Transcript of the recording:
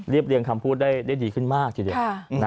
เรียงคำพูดได้ดีขึ้นมากทีเดียว